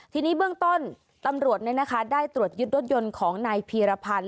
ทีนี้เบื้องต้นตำรวจได้ตรวจยึดรถยนต์ของนายพีรพันธ์